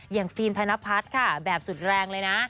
อย่างฟิรมพันธพันธ์ค่ะแบบสุดแรงเลยนะ